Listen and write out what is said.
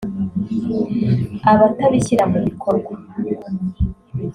abatabishyira mu bikorwa